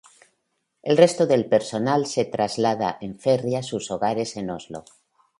El resto del personal se traslada en ferry a sus hogares en Oslo.